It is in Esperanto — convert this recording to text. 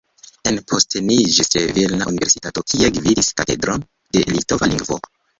Enposteniĝis ĉe Vilna Universitato, kie gvidis Katedron de Litova Lingvo.